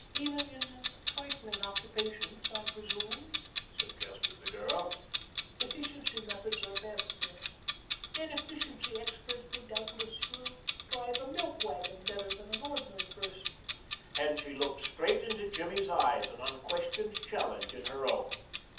"Even in trifling occupations, I presume," suggested the girl, "efficiency methods are best an efficiency expert could doubtlessly drive a milk wagon better than an ordinary person?" And she looked straight into Jimmy's eyes, an unquestioned challenge in her own.